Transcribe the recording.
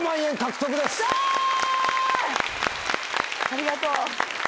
ありがとう。